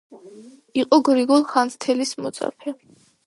იყო გრიგოლ ხანძთელის მოწაფე.